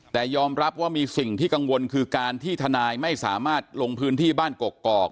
แต่ยอมรับว่ามีสิ่งที่กังวลคือการที่ทนายไม่สามารถลงพื้นที่บ้านกกอก